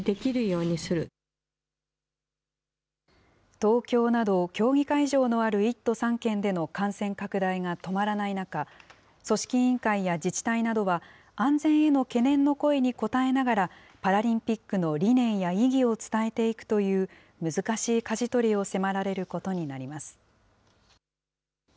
東京など競技会場のある１都３県での感染拡大が止まらない中、組織委員会や自治体などは、安全への懸念の声に応えながら、パラリンピックの理念や意義を伝えていくという、難しいかじ取りを迫られることになります。